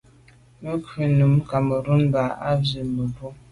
Mə̀ krú nǔm Cameroun mbá mə̀ ɑ̀' zí mə̀ bwɔ́.